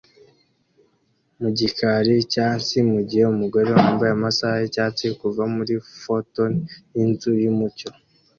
mu gikari cyatsi mugihe umugore wambaye amasaha yicyatsi kuva muri fton yinzu yumucyo